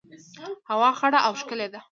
هوا خړه او ښکلي ده